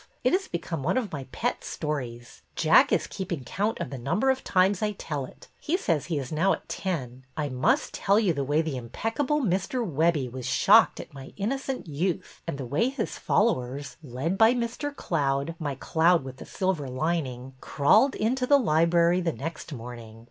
It has become one of my pet stories. Jack is keeping count of the number of times I tell it. He says he is now at ten. I must tell you the way the impeccable Mr. Webbie was shocked at my innocent youth, and the way his follow ers, led by Mr. Cloud, — my cloud with the silver lining, — crawled into the library the next morning.